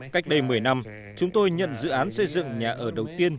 cách đây một mươi năm chúng tôi nhận dự án xây dựng nhà ở đầu tiên